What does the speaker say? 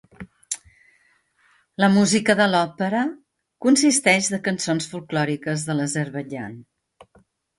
La música de l'òpera consisteix de cançons folklòriques de l'Azerbaidjan.